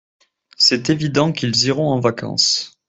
C'est évident qu'ils iront en vacances.